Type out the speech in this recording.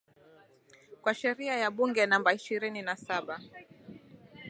kwa sheria ya Bunge namba ishirini na Saba